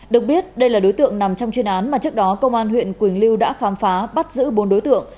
được biết đây là đối tượng nằm trong chuyên án mà trước đó công an huyện quỳnh lưu đã khám phá bắt giữ bốn đối tượng